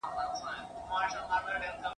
د یوې برخي یوه ویډیو را ولېږله ..